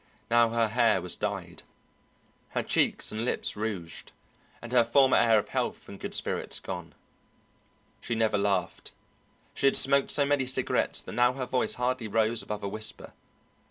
Now her hair was dyed, her cheeks and lips rouged, and her former air of health and good spirits gone. She never laughed. She had smoked so many cigarettes that now her voice hardly rose above a whisper.